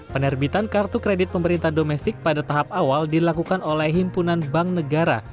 penerbitan kartu kredit pemerintah domestik pada tahap awal dilakukan oleh himpunan bank negara